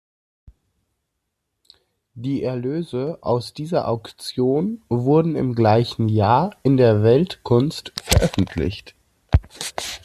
Die Erlöse aus dieser Auktion wurden im gleichen Jahr in der "Weltkunst" veröffentlicht.